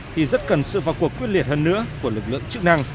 thì rất cần sự vào cuộc quyết liệt hơn nữa của lực lượng chức năng